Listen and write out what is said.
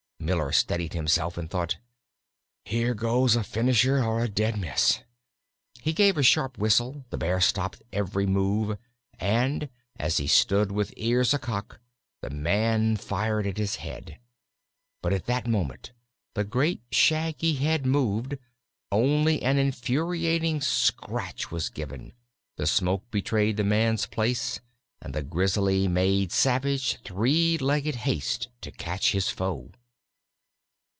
Miller steadied himself, and thought, "Here goes a finisher or a dead miss." He gave a sharp whistle, the Bear stopped every move, and, as he stood with ears acock, the man fired at his head. But at that moment the great shaggy head moved, only an infuriating scratch was given, the smoke betrayed the man's place, and the Grizzly made savage, three legged haste to catch his foe.